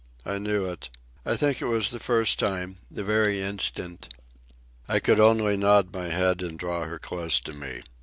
I knew it. I think it was the first time, the very instant." I could only nod my head and draw her close to me.